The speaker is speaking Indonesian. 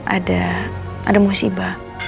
ada ada musibah